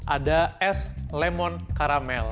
ada es lemon karamel